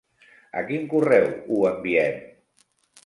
A quin correu ho enviem?